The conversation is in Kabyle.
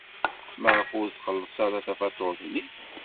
Maɣef ur txelleṣ ara tafatuṛt-nni?